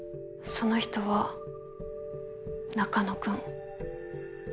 その人は中野くん。